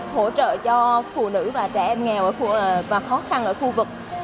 hỗ trợ cho phụ nữ và trẻ em nghèo và khó khăn ở khu vực